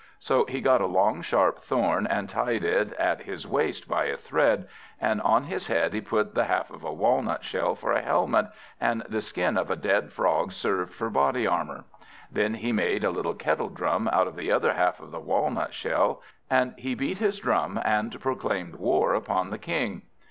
So he got a long sharp thorn, and tied it at his waist by a thread; and on his head he put the half of a walnut shell for a helmet, and the skin of a dead frog served for body armour. Then he made a little kettle drum out of the other half of the walnut shell; and he beat his drum, and proclaimed war upon the King.